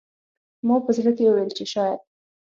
ما په زړه کې وویل چې شاید